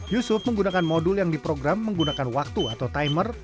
yusuf menggunakan modul yang diprogram menggunakan waktu atau timer